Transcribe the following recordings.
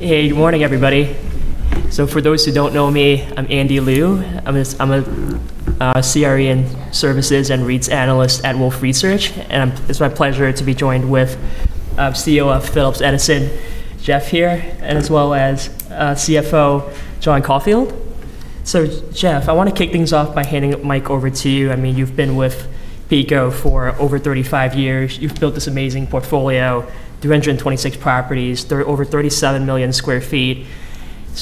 Hey, good morning, everybody. For those who don't know me, I'm Andy Liu. I'm a CREN Services and REITs analyst at Wolfe Research, and it's my pleasure to be joined with CEO of Phillips Edison, Jeff here, as well as CFO John Caulfield. Jeff, I want to kick things off by handing the mic over to you. You've been with PECO for over 35 years. You've built this amazing portfolio, 326 properties, over 37 million sq ft.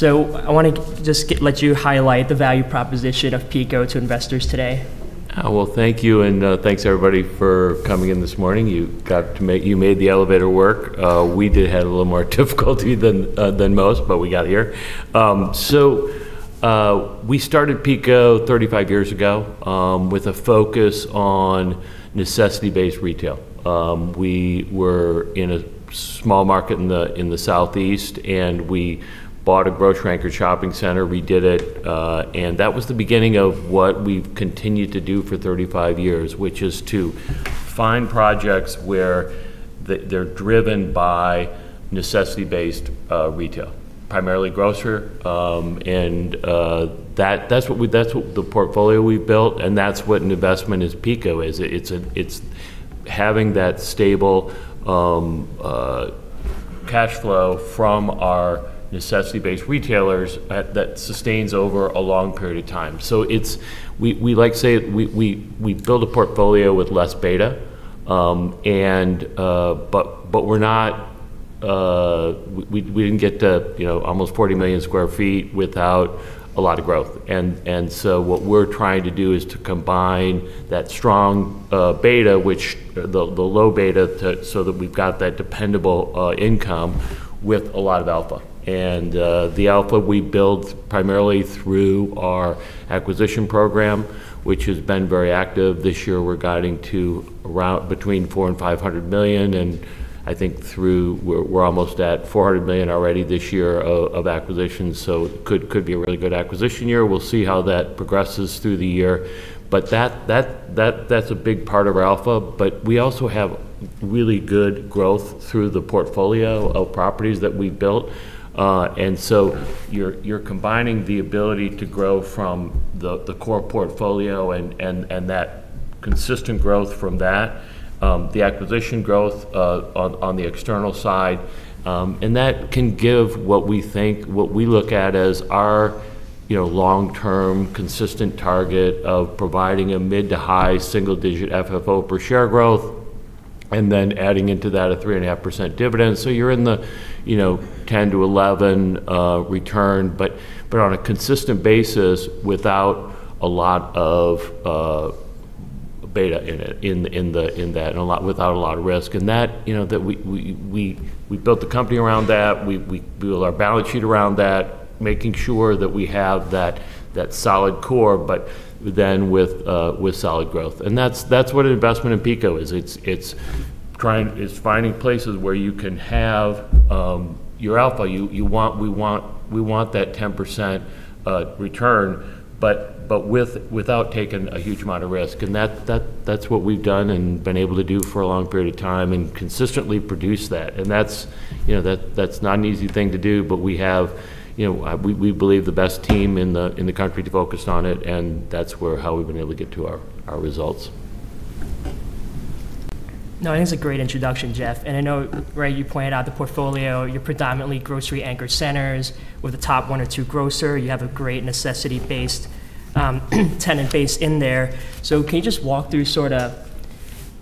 I want to just let you highlight the value proposition of PECO to investors today. Well, thank you, and thanks, everybody, for coming in this morning. You made the elevator work. We did have a little more difficulty than most, but we got here. We started PECO 35 years ago with a focus on necessity-based retail. We were in a small market in the Southeast, and we bought a grocery-anchored shopping center. We did it, and that was the beginning of what we've continued to do for 35 years, which is to find projects where they're driven by necessity-based retail, primarily grocer. That's the portfolio we've built, and that's what an investment is PECO is. It's having that stable cash flow from our necessity-based retailers that sustains over a long period of time. We build a portfolio with less beta, but we didn't get to almost 40 million square feet without a lot of growth. What we're trying to do is to combine that strong beta, the low beta, so that we've got that dependable income with a lot of alpha. The alpha we build primarily through our acquisition program, which has been very active. This year, we're guiding to between $400 million and $500 million, and I think we're almost at $400 million already this year of acquisitions. Could be a really good acquisition year. We'll see how that progresses through the year. That's a big part of our alpha. We also have really good growth through the portfolio of properties that we've built. You're combining the ability to grow from the core portfolio and that consistent growth from that, the acquisition growth on the external side, and that can give what we look at as our long-term consistent target of providing a mid-to-high single-digit FFO per share growth, and then adding into that a 3.5% dividend. You're in the 10-11 return, but on a consistent basis without a lot of beta in that and without a lot of risk. We built the company around that. We built our balance sheet around that, making sure that we have that solid core, but then with solid growth. That's what an investment in PECO is. It's finding places where you can have your alpha. We want that 10% return but without taking a huge amount of risk. That's what we've done and been able to do for a long period of time and consistently produce that. That's not an easy thing to do, but we have, we believe the best team in the country to focus on it, and that's how we've been able to get to our results. No, I think it's a great introduction, Jeff. I know, Ray, you pointed out the portfolio. You're predominantly grocery-anchored centers with a top one or two grocer. You have a great necessity-based tenant base in there. Can you just walk through sort of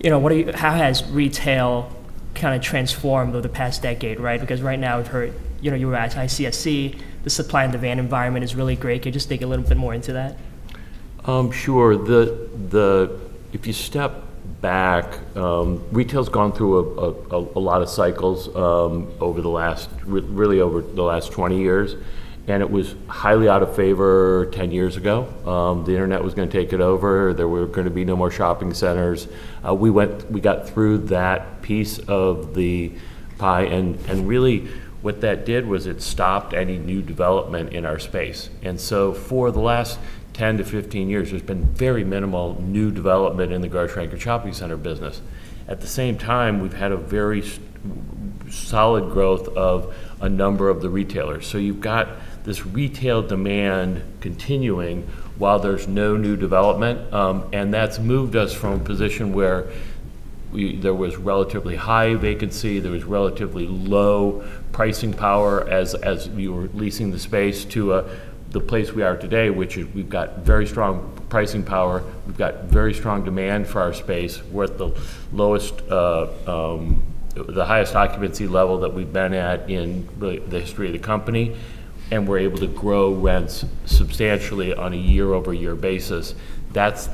how has retail kind of transformed over the past decade? Because right now we've heard, you were at ICSC, the supply and demand environment is really great. Can you just dig a little bit more into that? Sure. If you step back, retail's gone through a lot of cycles really over the last 20 years, and it was highly out of favor 10 years ago. The internet was going to take it over. There were going to be no more shopping centers. We got through that piece of the pie, and really what that did was it stopped any new development in our space. For the last 10-15 years, there's been very minimal new development in the grocery-anchored shopping center business. At the same time, we've had a very solid growth of a number of the retailers. You've got this retail demand continuing while there's no new development. That's moved us from a position where there was relatively high vacancy, there was relatively low pricing power as we were leasing the space to the place we are today, which we've got very strong pricing power. We've got very strong demand for our space. We're at the highest occupancy level that we've been at in really the history of the company. We're able to grow rents substantially on a year-over-year basis. That's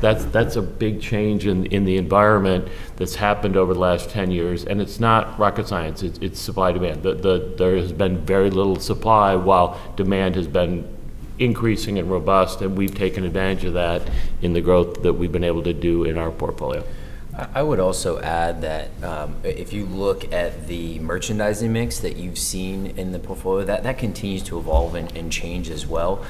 a big change in the environment that's happened over the last 10 years. It's not rocket science. It's supply and demand. There has been very little supply while demand has been increasing and robust. We've taken advantage of that in the growth that we've been able to do in our portfolio. I would also add that if you look at the merchandising mix that you've seen in the portfolio, that continues to evolve and change as well.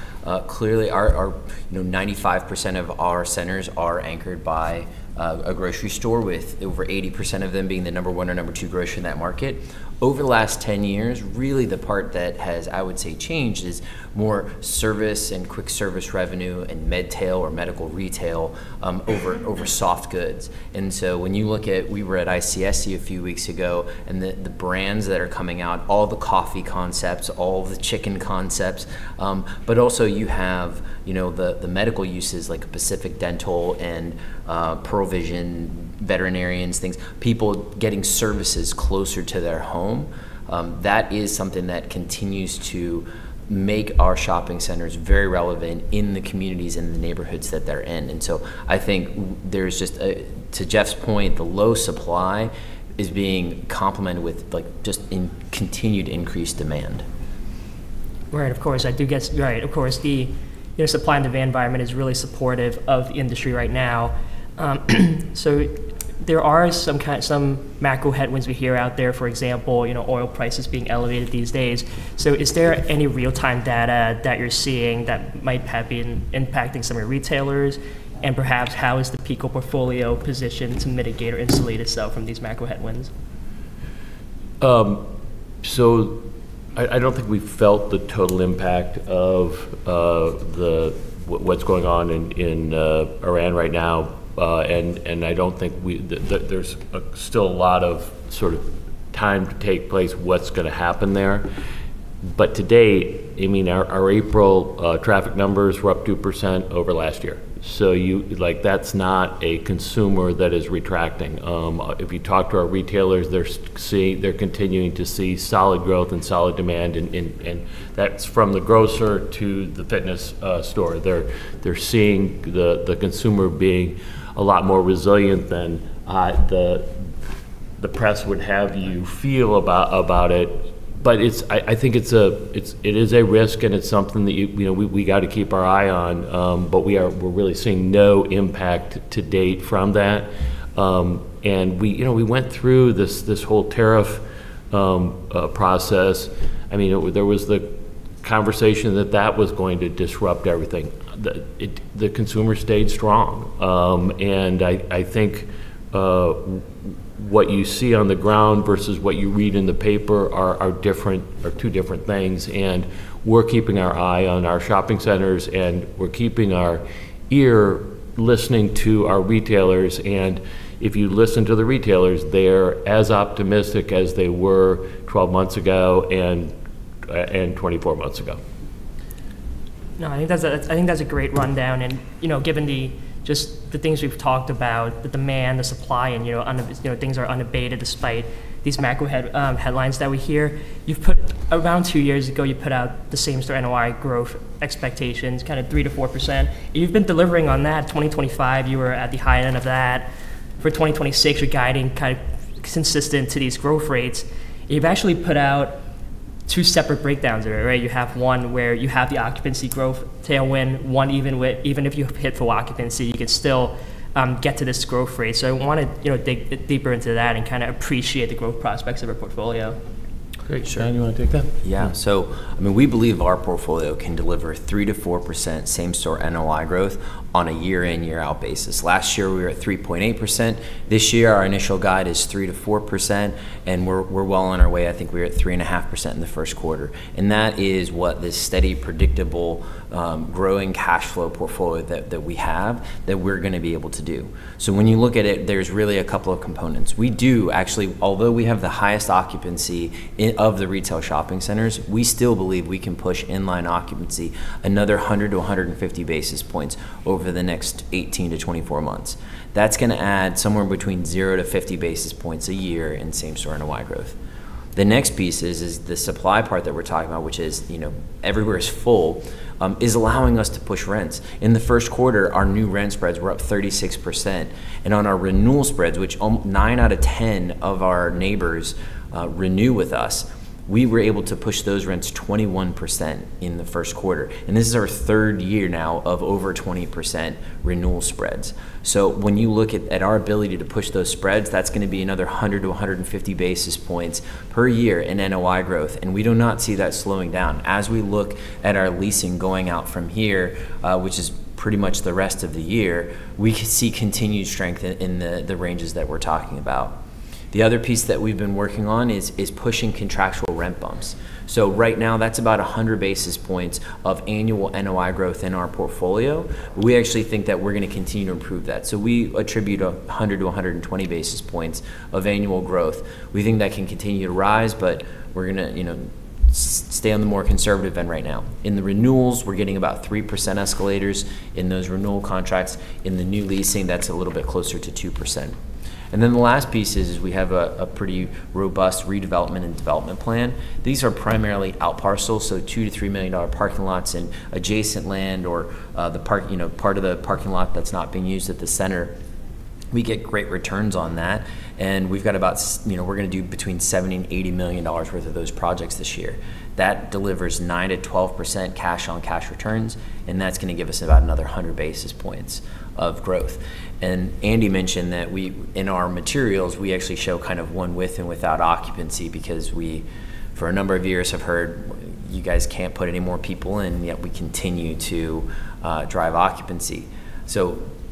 Clearly, 95% of our centers are anchored by a grocery store, with over 80% of them being the number one or number two grocer in that market. Over the last 10 years, really the part that has, I would say, changed is more service and quick service revenue and Medtail or medical retail over soft goods. When you look at, we were at ICSC a few weeks ago, and the brands that are coming out, all the coffee concepts, all the chicken concepts, but also you have the medical uses like a Pacific Dental and Pearle Vision, veterinarians, things. People getting services closer to their home. That is something that continues to make our shopping centers very relevant in the communities and the neighborhoods that they're in. I think there's just, to Jeff's point, the low supply is being complemented with just continued increased demand. Right. Of course, the supply and demand environment is really supportive of the industry right now. There are some macro headwinds we hear out there, for example, oil prices being elevated these days. Is there any real-time data that you're seeing that might have been impacting some of your retailers? Perhaps, how is the PECO portfolio positioned to mitigate or insulate itself from these macro headwinds? I don't think we've felt the total impact of what's going on in Iran right now. I don't think that there's still a lot of sort of time to take place what's going to happen there. To date, our April traffic numbers were up 2% over last year. That's not a consumer that is retracting. If you talk to our retailers, they're continuing to see solid growth and solid demand, and that's from the grocer to the fitness store. They're seeing the consumer being a lot more resilient than the press would have you feel about it. I think it is a risk and it's something that we got to keep our eye on. We're really seeing no impact to date from that. We went through this whole tariff process. There was the conversation that that was going to disrupt everything. The consumer stayed strong. I think what you see on the ground versus what you read in the paper are two different things. We're keeping our eye on our shopping centers, and we're keeping our ear listening to our retailers. If you listen to the retailers, they're as optimistic as they were 12 months ago and 24 months ago. No, I think that's a great rundown. Given just the things we've talked about, the demand, the supply, and things are unabated despite these macro headlines that we hear. Around two years ago, you put out the same store NOI growth expectations, kind of 3%-4%. You've been delivering on that. 2025, you were at the high end of that. For 2026, you're guiding kind of consistent to these growth rates. You've actually put out two separate breakdowns of it. You have one where you have the occupancy growth tailwind. One, even if you hit full occupancy, you could still get to this growth rate. I want to dig deeper into that and kind of appreciate the growth prospects of a portfolio. Great. John, you want to take that? Yeah. We believe our portfolio can deliver 3%-4% same store NOI growth on a year in, year out basis. Last year, we were at 3.8%. This year, our initial guide is 3%-4%, and we're well on our way. I think we are at 3.5% in the first quarter. That is what this steady, predictable, growing cash flow portfolio that we have that we're going to be able to do. When you look at it, there's really a couple of components. We do, actually, although we have the highest occupancy of the retail shopping centers, we still believe we can push in-line occupancy another 100-150 basis points over the next 18-24 months. That's going to add somewhere between zero and 50 basis points a year in same store NOI growth. The next piece is the supply part that we're talking about, which is everywhere is full, is allowing us to push rents. In the first quarter, our new rent spreads were up 36%. On our renewal spreads, which nine out of 10 of our neighbors renew with us, we were able to push those rents 21% in the first quarter. This is our third year now of over 20% renewal spreads. When you look at our ability to push those spreads, that's going to be another 100 basis points-150 basis points per year in NOI growth, and we do not see that slowing down. As we look at our leasing going out from here, which is pretty much the rest of the year, we see continued strength in the ranges that we're talking about. The other piece that we've been working on is pushing contractual rent bumps. Right now, that's about 100 basis points of annual NOI growth in our portfolio. We actually think that we're going to continue to improve that. We attribute 100 basis points-120 basis points of annual growth. We think that can continue to rise, but we're going to stay on the more conservative end right now. In the renewals, we're getting about 3% escalators in those renewal contracts. In the new leasing, that's a little bit closer to 2%. The last piece is we have a pretty robust redevelopment and development plan. These are primarily outparcels, so $2 million-$3 million parking lots and adjacent land or part of the parking lot that's not being used at the center. We get great returns on that, and we're going to do between $70 million and $80 million worth of those projects this year. That delivers 9%-12% cash-on-cash returns, that's going to give us about another 100 basis points of growth. Andy mentioned that in our materials, we actually show kind of one with and without occupancy because we, for a number of years, have heard you guys can't put any more people in, yet we continue to drive occupancy.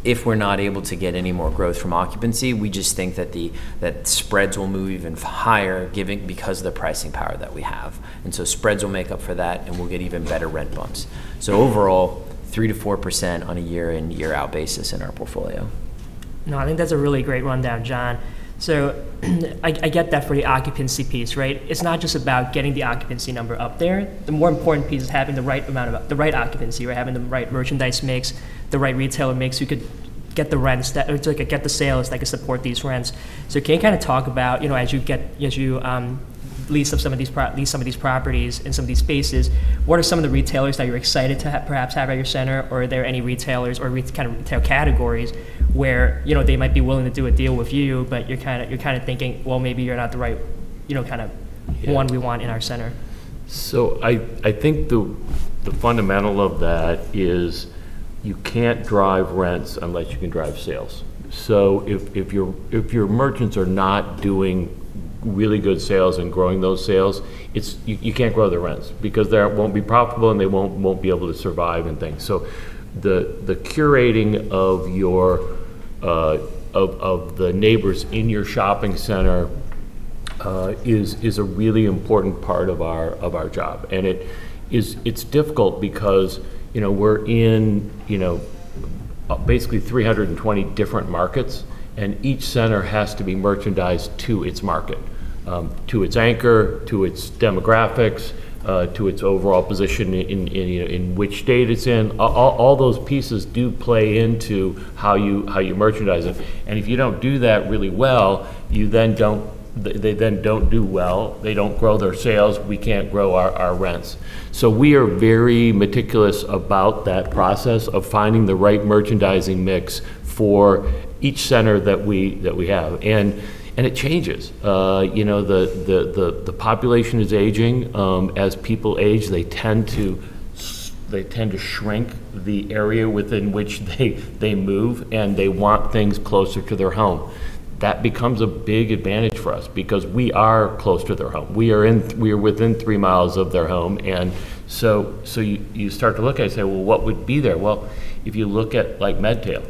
If we're not able to get any more growth from occupancy, we just think that spreads will move even higher because of the pricing power that we have. Spreads will make up for that, and we'll get even better rent bumps. Overall, 3%-4% on a year-in, year-out basis in our portfolio. I think that's a really great rundown, John. I get that for the occupancy piece, right? It's not just about getting the occupancy number up there. The more important piece is having the right occupancy, or having the right merchandise mix, the right retailer mix who could get the sales that could support these rents. Can you kind of talk about, as you lease some of these properties and some of these spaces, what are some of the retailers that you're excited to perhaps have at your center? Are there any retailers or kind of retail categories where they might be willing to do a deal with you, but you're kind of thinking, well, maybe you're not the right Yeah kind of one we want in our center? I think the fundamental of that is you can't drive rents unless you can drive sales. If your merchants are not doing really good sales and growing those sales, you can't grow their rents because they won't be profitable, and they won't be able to survive and things. The curating of the neighbors in your shopping center is a really important part of our job. It's difficult because we're in basically 320 different markets, and each center has to be merchandised to its market, to its anchor, to its demographics, to its overall position in which state it's in. All those pieces do play into how you merchandise it. If you don't do that really well, they then don't do well. They don't grow their sales. We can't grow our rents. We are very meticulous about that process of finding the right merchandising mix for each center that we have. It changes. The population is aging. As people age, they tend to shrink the area within which they move, and they want things closer to their home. That becomes a big advantage for us because we are close to their home. We are within 3 mi of their home, you start to look at it and say, "Well, what would be there?" Well, if you look at Medtail,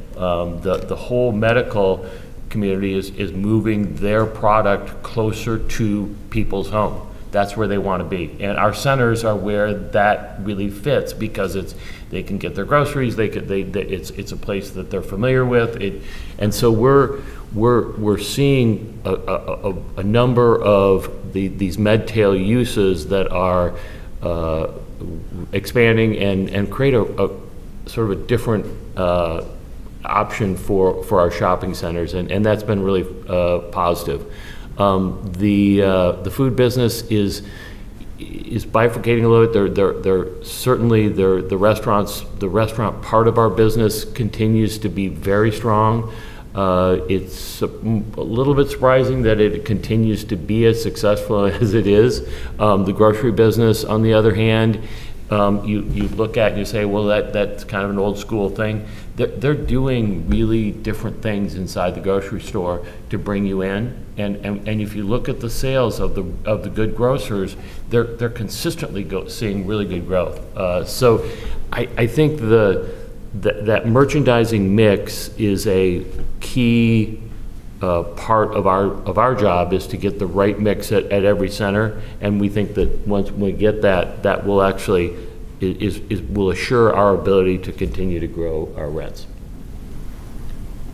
the whole medical community is moving their product closer to people's home. That's where they want to be. Our centers are where that really fits because they can get their groceries. It's a place that they're familiar with. We're seeing a number of these Medtail uses that are expanding and create sort of a different option for our shopping centers, and that's been really positive. The food business is bifurcating a little bit. Certainly, the restaurant part of our business continues to be very strong. It's a little bit surprising that it continues to be as successful as it is. The grocery business, on the other hand, you look at and you say, well, that's kind of an old school thing. They're doing really different things inside the grocery store to bring you in. If you look at the sales of the good grocers, they're consistently seeing really good growth. I think that merchandising mix is a key part of our job is to get the right mix at every center. We think that once we get that will assure our ability to continue to grow our rents.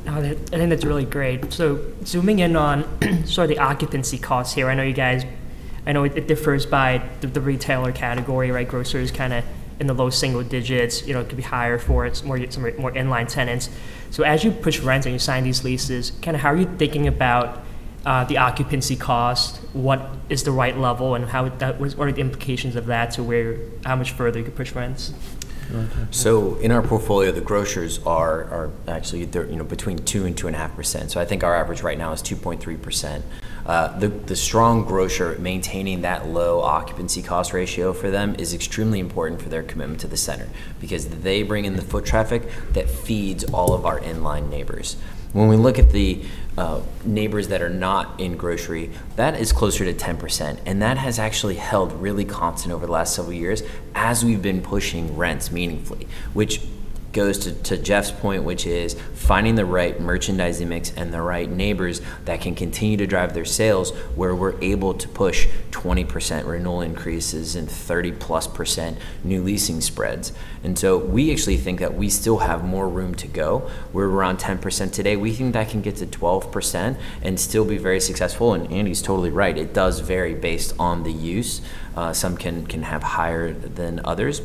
No, I think that's really great. Zooming in on sort of the occupancy costs here. I know it differs by the retailer category, right? Grocer is kind of in the low single digits. It could be higher for some more inline tenants. As you push rents and you sign these leases, kind of how are you thinking about the occupancy cost? What is the right level, and what are the implications of that to how much further you could push rents? In our portfolio, the grocers are actually between 2% and 2.5%. I think our average right now is 2.3%. The strong grocer maintaining that low occupancy cost ratio for them is extremely important for their commitment to the center because they bring in the foot traffic that feeds all of our inline neighbors. When we look at the neighbors that are not in grocery, that is closer to 10%, and that has actually held really constant over the last several years as we've been pushing rents meaningfully, which goes to Jeff's point, which is finding the right merchandising mix and the right neighbors that can continue to drive their sales, where we're able to push 20% renewal increases and 30%+ new leasing spreads. We actually think that we still have more room to go. We're around 10% today. We think that can get to 12% and still be very successful. Andy's totally right. It does vary based on the use. Some can have higher than others.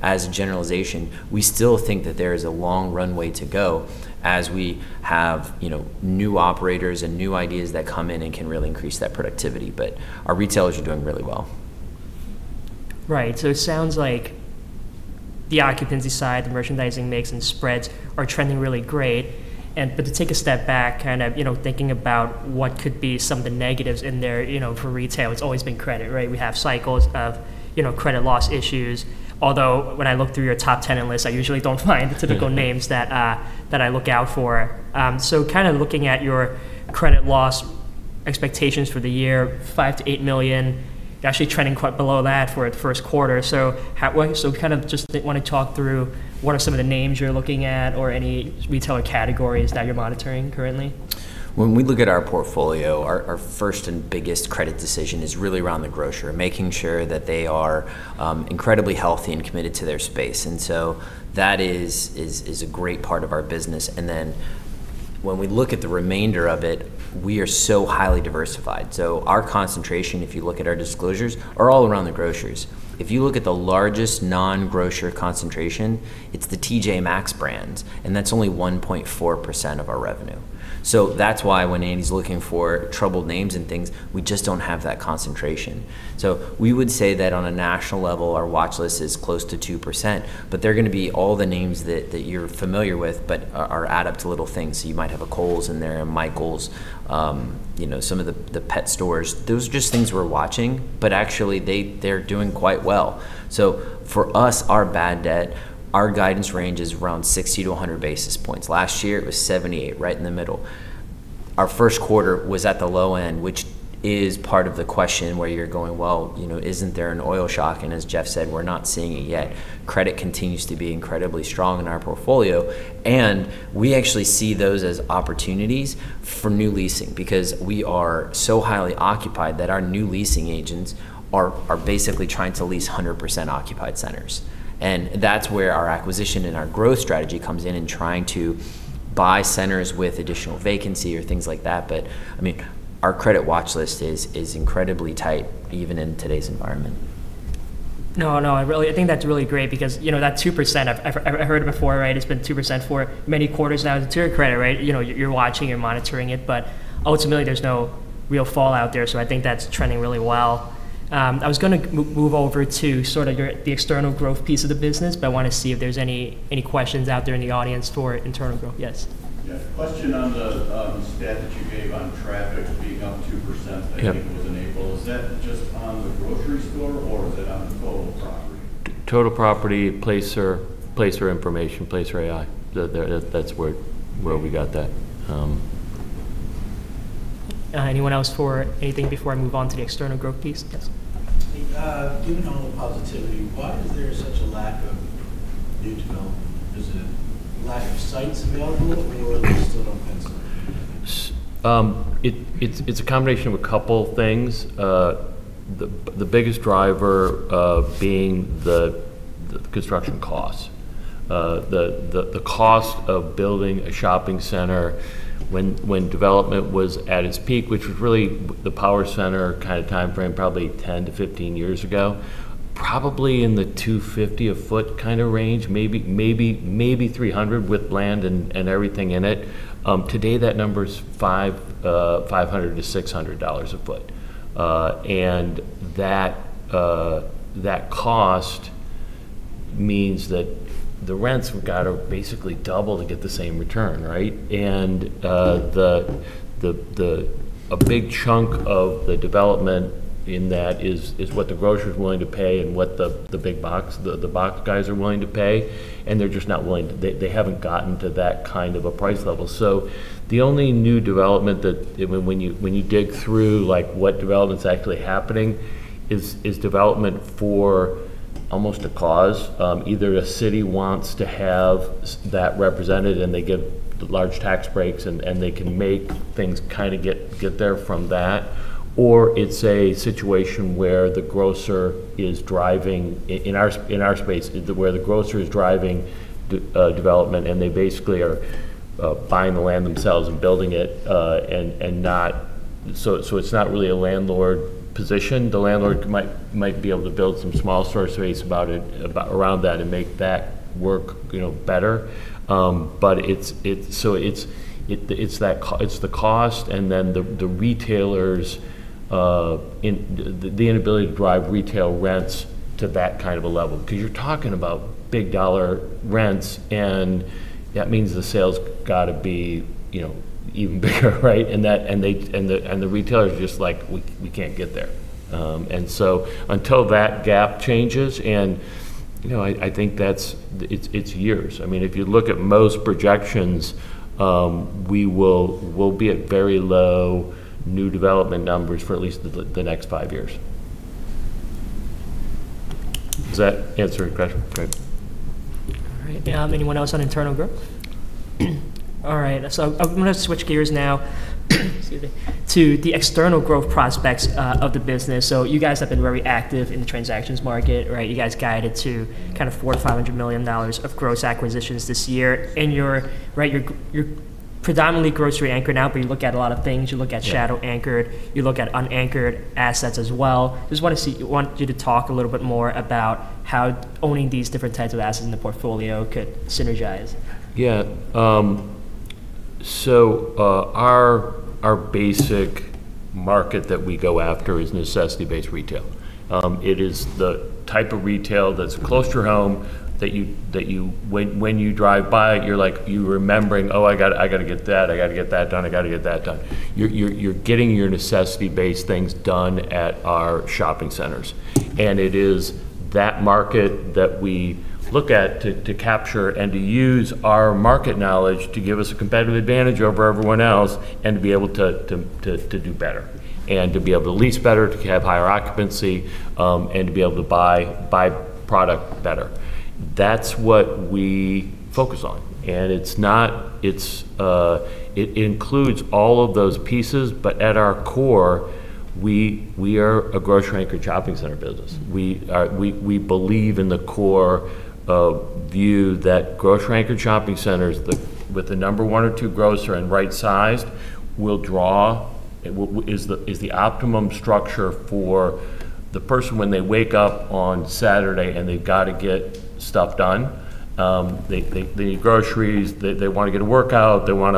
As a generalization, we still think that there is a long runway to go as we have new operators and new ideas that come in and can really increase that productivity. Our retailers are doing really well. Right. It sounds like the occupancy side, the merchandising mix and spreads are trending really great. To take a step back, kind of thinking about what could be some of the negatives in there, for retail, it's always been credit, right? We have cycles of credit loss issues. Although when I look through your top 10 list, I usually don't find the typical names that I look out for. Looking at your credit loss expectations for the year, $5 million-$8 million, you're actually trending quite below that for the first quarter. Just want to talk through what are some of the names you're looking at or any retailer categories that you're monitoring currently. When we look at our portfolio, our first and biggest credit decision is really around the grocer, making sure that they are incredibly healthy and committed to their space. That is a great part of our business. When we look at the remainder of it, we are so highly diversified. Our concentration, if you look at our disclosures, are all around the groceries. If you look at the largest non-grocer concentration, it's the TJ Maxx brands, and that's only 1.4% of our revenue. That's why when Andy's looking for troubled names and things, we just don't have that concentration. We would say that on a national level, our watch list is close to 2%, but they're going to be all the names that you're familiar with, but are add up to little things. You might have a Kohl's in there, a Michaels, some of the pet stores. Those are just things we're watching. Actually, they're doing quite well. For us, our bad debt, our guidance range is around 60 basis points-100 basis points. Last year, it was 78, right in the middle. Our first quarter was at the low end, which is part of the question where you're going, "Well, isn't there an oil shock?" As Jeff said, we're not seeing it yet. Credit continues to be incredibly strong in our portfolio, and we actually see those as opportunities for new leasing because we are so highly occupied that our new leasing agents are basically trying to lease 100% occupied centers. That's where our acquisition and our growth strategy comes in trying to buy centers with additional vacancy or things like that. I mean, our credit watch list is incredibly tight, even in today's environment. I think that's really great because that 2%, I've heard it before, right? It's been 2% for many quarters now. To your credit, right? You're watching, you're monitoring it, ultimately, there's no real fallout there. I think that's trending really well. I was going to move over to sort of the external growth piece of the business, I want to see if there's any questions out there in the audience for internal growth. Yes. Yeah. Question on the stat that you gave on traffic being up 2%? Yeah I think it was in April. Is that just on the grocery store or is it on the total property? Total property, Placer information, Placer.ai. That's where we got that. Anyone else for anything before I move on to the external growth piece? Yes. Given all the positivity, why is there such a lack of new development? Is it lack of sites available, or they just don't pencil? It's a combination of a couple things. The biggest driver of being the construction cost. The cost of building a shopping center when development was at its peak, which was really the power center kind of timeframe, probably 10-15 years ago, probably in the $250 a foot kind of range, maybe $300 with land and everything in it. Today that number is $500-$600 a foot. That cost means that the rents have got to basically double to get the same return, right? A big chunk of the development in that is what the grocer's willing to pay and what the box guys are willing to pay, and they're just not willing to. They haven't gotten to that kind of a price level. The only new development that when you dig through what development's actually happening, is development for almost a cause. Either a city wants to have that represented, and they give large tax breaks, and they can make things kind of get there from that. It's a situation where the grocer is driving, in our space, where the grocer is driving development, and they basically are buying the land themselves and building it. It's not really a landlord position. The landlord might be able to build some small storage space around that and make that work better. It's the cost and then the inability to drive retail rents to that kind of a level. You're talking about big dollar rents, and that means the sales got to be even bigger, right? The retailer's just like, "We can't get there." Until that gap changes and I think it's years. I mean, if you look at most projections, we'll be at very low new development numbers for at least the next five years. Does that answer your question? Great. All right. Anyone else on internal growth? All right, I'm going to switch gears now, excuse me, to the external growth prospects of the business. You guys have been very active in the transactions market, right? You guys guided to kind of $400 million or $500 million of gross acquisitions this year. You're predominantly grocery anchored now, but you look at a lot of things. You look at shadow anchored, you look at unanchored assets as well. Just want you to talk a little bit more about how owning these different types of assets in the portfolio could synergize. Yeah. Our basic market that we go after is necessity-based retail. It is the type of retail that's close to your home, that when you drive by it, you're remembering, "Oh, I got to get that. I got to get that done. I got to get that done." You're getting your necessity-based things done at our shopping centers. It is that market that we look at to capture and to use our market knowledge to give us a competitive advantage over everyone else, and to be able to do better, and to be able to lease better, to have higher occupancy, and to be able to buy product better. That's what we focus on. It includes all of those pieces, but at our core, we are a grocery-anchor shopping center business. We believe in the core view that grocery-anchor shopping centers with a number one or two grocer and right-sized will draw, is the optimum structure for the person when they wake up on Saturday, and they've got to get stuff done. They need groceries. They want to get a workout. They want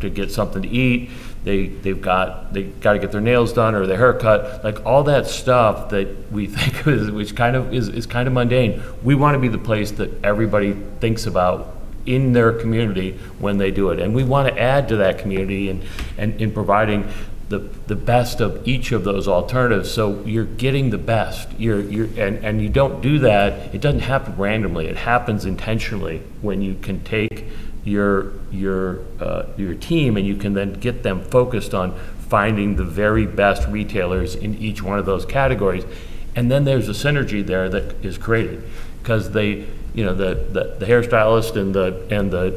to get something to eat. They got to get their nails done or their hair cut. All that stuff that we think is kind of mundane, we want to be the place that everybody thinks about in their community when they do it. We want to add to that community in providing the best of each of those alternatives so you're getting the best. You don't do that, it doesn't happen randomly. It happens intentionally when you can take your team, and you can then get them focused on finding the very best retailers in each one of those categories. Then there's a synergy there that is created because the hairstylist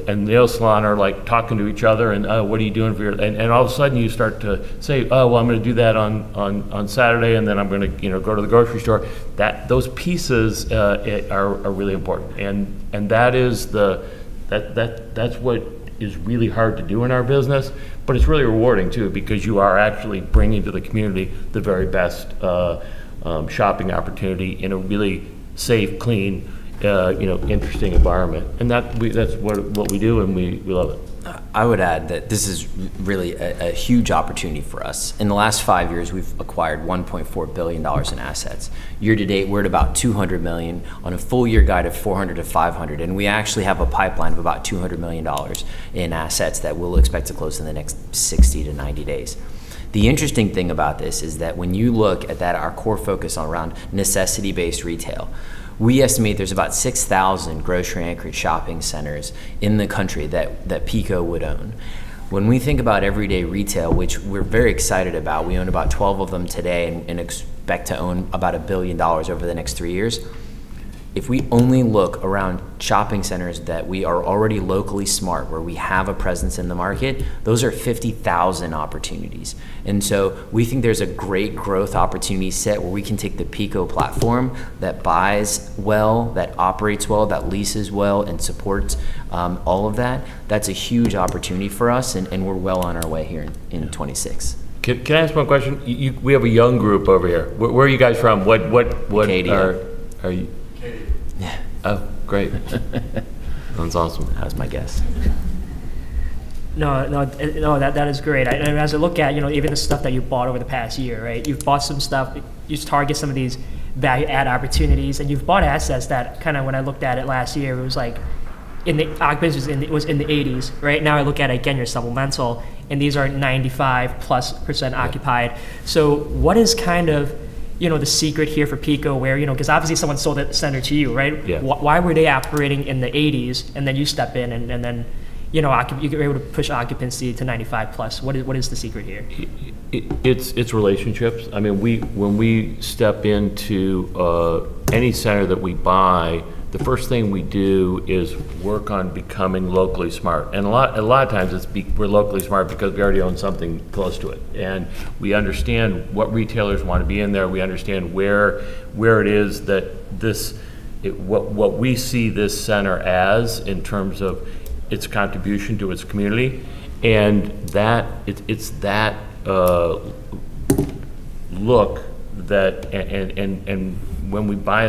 and nail salon are talking to each other and, "Oh, what are you doing for your" All of a sudden you start to say, "Oh, well, I'm going to do that on Saturday, and then I'm going to go to the grocery store." Those pieces are really important. That's what is really hard to do in our business, but it's really rewarding, too, because you are actually bringing to the community the very best shopping opportunity in a really safe, clean, interesting environment. That's what we do, and we love it. I would add that this is really a huge opportunity for us. In the last five years, we've acquired $1.4 billion in assets. Year to date, we're at about $200 million, on a full year guide of $400 million-$500 million, and we actually have a pipeline of about $200 million in assets that we'll expect to close in the next 60-90 days. The interesting thing about this is that when you look at that, our core focus all around necessity-based retail, we estimate there's about 6,000 grocery-anchored shopping centers in the country that PECO would own. When we think about everyday retail, which we're very excited about, we own about 12 of them today and expect to own about a billion dollars over the next three years. If we only look around shopping centers that we are already locally smart, where we have a presence in the market, those are 50,000 opportunities. We think there's a great growth opportunity set where we can take the PECO platform that buys well, that operates well, that leases well, and supports all of that. That's a huge opportunity for us, and we're well on our way here in 2026. Can I ask one question? We have a young group over here. Where are you guys from? Katie. Are you- Katie. Yeah. Oh, great. That's awesome. That was my guess. No, that is great. As I look at even the stuff that you've bought over the past year, right? You've bought some stuff. You target some of these value-add opportunities, and you've bought assets that when I looked at it last year, it was like in the occupancies, it was in the 1980s, right? Now I look at it again, your supplemental, and these are 95%+ occupied. What is the secret here for PECO where Because obviously someone sold that center to you, right? Yeah. Why were they operating in the 1980s, and then you step in, and then you're able to push occupancy to 95+? What is the secret here? It's relationships. When we step into any center that we buy, the first thing we do is work on becoming locally smart. A lot of times we're locally smart because we already own something close to it, and we understand what retailers want to be in there. We understand where it is that what we see this center as in terms of its contribution to its community, and it's that look that when we buy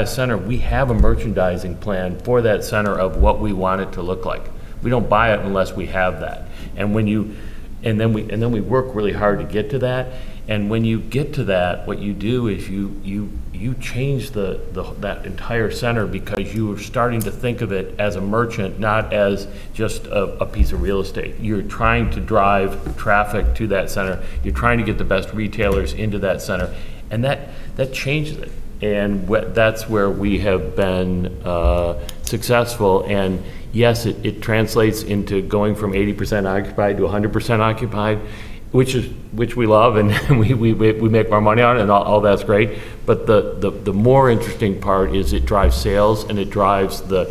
a center, we have a merchandising plan for that center of what we want it to look like. We don't buy it unless we have that. Then we work really hard to get to that. When you get to that, what you do is you change that entire center because you are starting to think of it as a merchant, not as just a piece of real estate. You're trying to drive traffic to that center. You're trying to get the best retailers into that center, that changes it. That's where we have been successful. Yes, it translates into going from 80% occupied to 100% occupied, which we love and we make our money on it, and all that's great. The more interesting part is it drives sales, and it drives the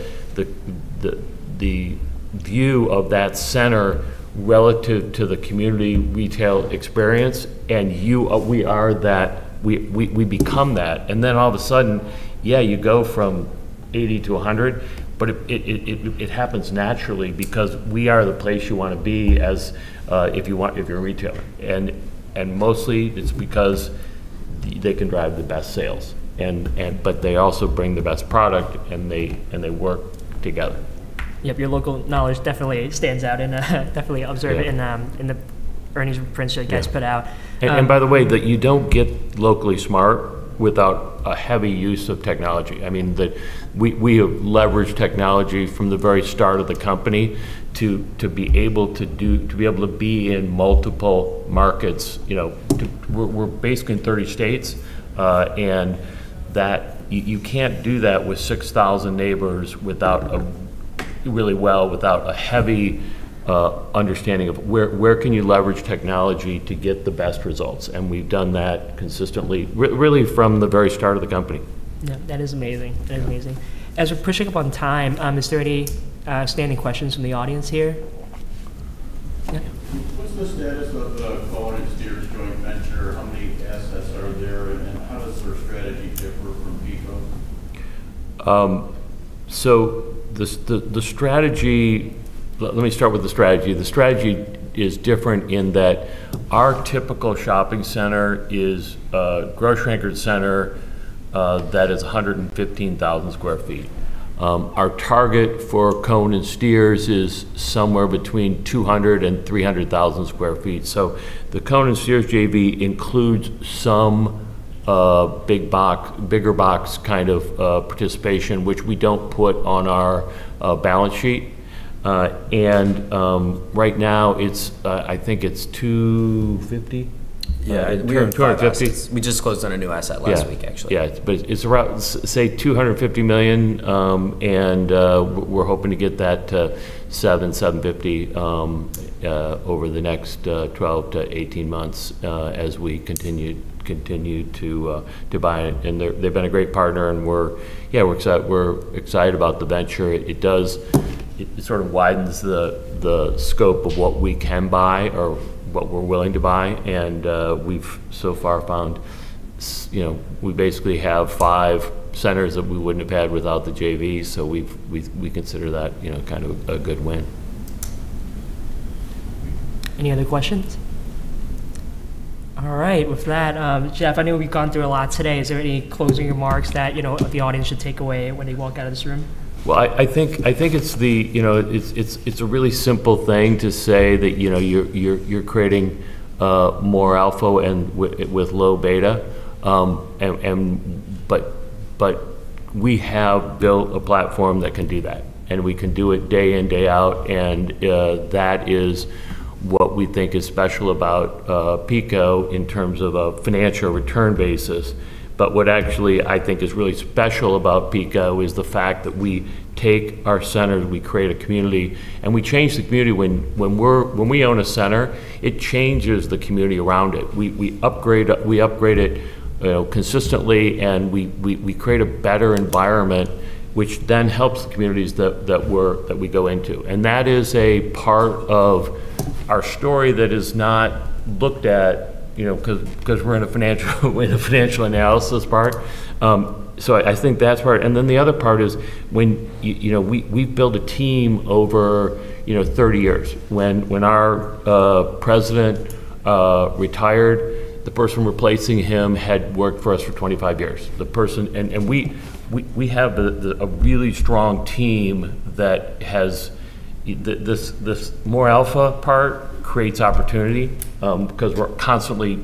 view of that center relative to the community retail experience. We are that. We become that. All of a sudden, yeah, you go from 80 to 100, but it happens naturally because we are the place you want to be if you're a retailer. Mostly it's because they can drive the best sales. They also bring the best product, and they work together. Yep, your local knowledge definitely stands out. Yeah in the earnings prints you guys put out. Yeah. By the way, you don't get locally smart without a heavy use of technology. We have leveraged technology from the very start of the company to be able to be in multiple markets. We're basically in 30 states. You can't do that with 6,000 neighbors really well, without a heavy understanding of where can you leverage technology to get the best results. We've done that consistently, really from the very start of the company. Yeah, that is amazing. Yeah. As we're pushing up on time, is there any standing questions from the audience here? Yeah. What's the status of the Cohen & Steers joint venture? How many assets are there, and how does their strategy differ from PECO? Let me start with the strategy. The strategy is different in that our typical shopping center is a grocery-anchored center that is 115,000 sq ft Our target for Cohen & Steers is somewhere between 200,000 and 300,000 sq ft. The Cohen & Steers JV includes some bigger box kind of participation, which we don't put on our balance sheet. Right now I think it's 250. Yeah. 250. We just closed on a new asset last week, actually. Yeah. It's around, say, $250 million. We're hoping to get that to $700 million-$750 million over the next 12-18 months as we continue to buy. They've been a great partner, and we're excited about the venture. It sort of widens the scope of what we can buy or what we're willing to buy. We've so far found we basically have five centers that we wouldn't have had without the JV. We consider that kind of a good win. Any other questions? All right. With that, Jeff, I know we've gone through a lot today. Is there any closing remarks that the audience should take away when they walk out of this room? Well, I think it's a really simple thing to say that you're creating more alpha and with low beta. We have built a platform that can do that, and we can do it day in, day out. That is what we think is special about PECO in terms of a financial return basis. What actually I think is really special about PECO is the fact that we take our centers, we create a community. When we own a center, it changes the community around it. We upgrade it consistently, and we create a better environment, which then helps the communities that we go into. That is a part of our story that is not looked at because we're in a financial analysis part. I think that's part. The other part is we've built a team over 30 years. When our president retired, the person replacing him had worked for us for 25 years. We have a really strong team. This more alpha part creates opportunity, because we're constantly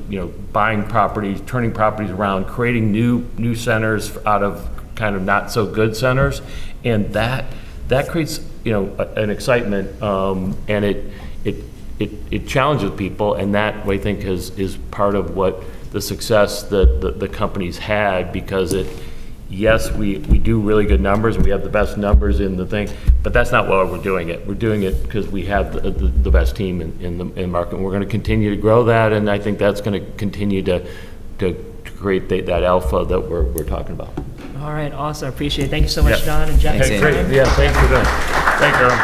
buying properties, turning properties around, creating new centers out of kind of not-so-good centers. That creates an excitement, and it challenges people. That, I think, is part of what the success that the company's had. Because, yes, we do really good numbers, and we have the best numbers in the thing, but that's not why we're doing it. We're doing it because we have the best team in the market, and we're going to continue to grow that. I think that's going to continue to create that alpha that we're talking about. All right. Awesome. I appreciate it. Thank you so much, John and Jeff. Yeah. Thanks, Andy. Yeah, thanks for that. Thanks, Andy.